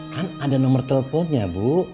kan ada nomor teleponnya bu